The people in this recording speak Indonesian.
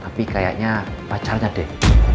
tapi kayaknya pacarnya deh